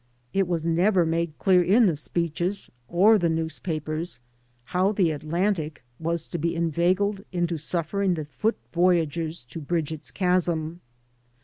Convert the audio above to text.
It was never made dear in the speeches or the newspapers how the Atlantic was to be inveigled into suflfering the foot voyagers to bridge its chasm.